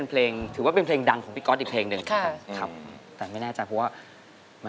เพลงที่สองมูลค่า๑หมื่นบาทกันแล้วนะครับ